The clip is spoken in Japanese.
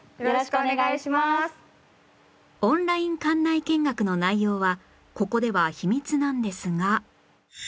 オンライン館内見学の内容はここでは秘密なんですが